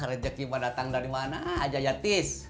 rezeki mau datang dari mana aja ya tetis